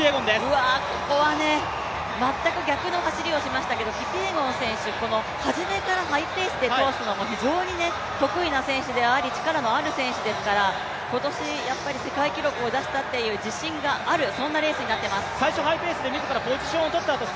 うわぁ、ここは全く逆の走りをしましたけどキピエゴン選手、初めからハイペースで通すのも非常に得意な選手であり力のある選手ですから、今年やっぱり世界記録を出したという自信がある、そんなレースになっています。